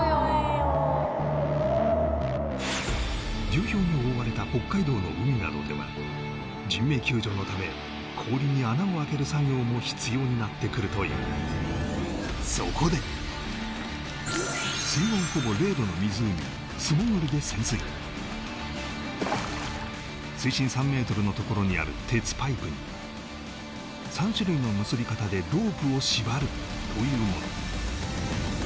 流氷に覆われた北海道の海などでは人命救助のため氷に穴をあける作業も必要になってくるというそこで水温ほぼ０度の湖に素潜りで潜水水深３ｍのところにある鉄パイプに３種類の結び方でロープを縛るというもの